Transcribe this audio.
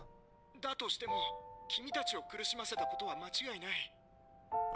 だとしても君たちを苦しませたことは間違いない。